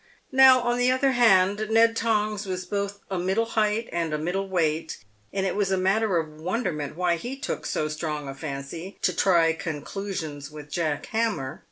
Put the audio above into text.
INow, on the other hand, Ned Tongs was both a middle height and a middle weight, and it was a matter of wonderment why he took so strong a fancy to try conclu sions with Jack Hammer.